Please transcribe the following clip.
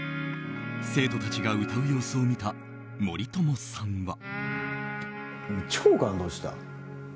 生徒たちが歌う様子を見た森友さんは。